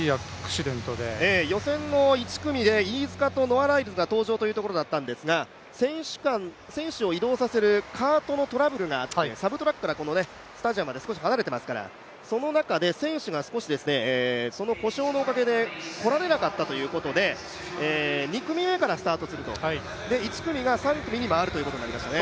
予選の１組で飯塚とノア・ライルズが登場というところだったんですが選手を移動させるカートのトラブルがあってサブトラックからこのスタジアムまで少し離れていますから、その中で選手が少し、故障のおかげで来られなかったということで２組目からスタートする、１組が３組に回るということになります。